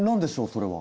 それは。